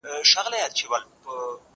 انځورونه د زهشوم له خوا رسم کيږي!؟